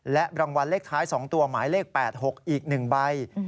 และรางวัลเลขท้าย๒ตัวหมายเลข๘๖อีก๑ใบ